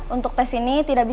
untuk tes ini tidak bisa